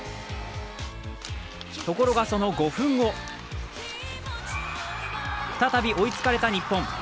ところがその５分後、再び追いつかれた日本。